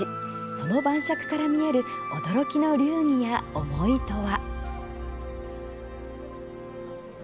その晩酌から見える驚きの流儀や思いとは。